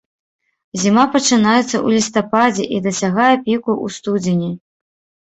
Зіма пачынаецца ў лістападзе і дасягае піку ў студзені.